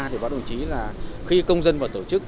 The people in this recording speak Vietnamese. thì bác đồng chí là khi công dân và tổ chức